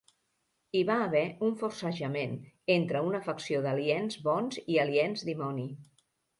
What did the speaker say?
Hi va haver un forcejament entre una facció d"aliens bons i aliens dimoni.